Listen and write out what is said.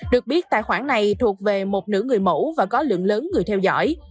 được biết tài khoản này thuộc về một nữ người mẫu và có lượng lớn người theo dõi